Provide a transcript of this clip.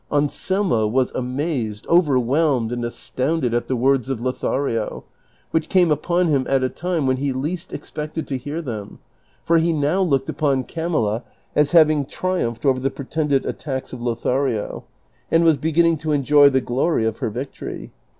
Anselmo was amazed, overwhelmed, and astounded at the words of Lothario, which came upon him at a time when he least expected to hear them, for he now looked upon C'amilla as having triumphed over the pretended attacks of Lothario, and was beginning to cnj(jy the glory of her victory.